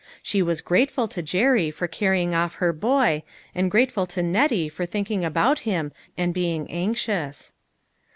She was grateful to Jerry for carrying off her boy, and grateful to Nettie for thinking about him and being anxious.